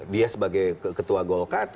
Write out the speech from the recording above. dia sebagai ketua golkar